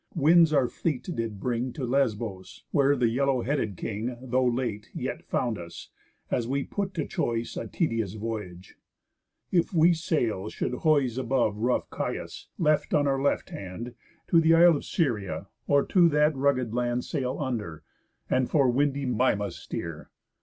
Winds our fleet did bring To Lesbos, where the yellow headed king, Though late, yet found us, as we put to choice A tedious voyage; if we sail should hoise Above rough Chius, left on our left hand, To th' isle of Psyria, or that rugged land Sail under, and for windy Mimas steer.